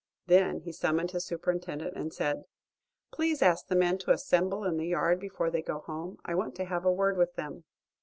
Then he summoned his superintendent and said: "Please ask the men to assemble in the yard before they go home. I want to have a word with them."